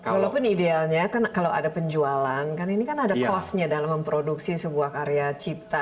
walaupun idealnya kan kalau ada penjualan kan ini kan ada cost nya dalam memproduksi sebuah karya cipta